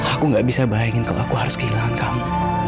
aku gak bisa bayangin kalau aku harus kehilangan kamu